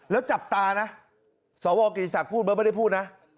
แล้วจับตานะสวกิติศักดิ์พูดเบิร์ตไม่ได้พูดนะ